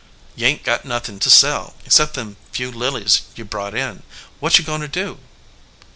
"You ain t got anything to sell, except them few lilies you brought in. What you goin to do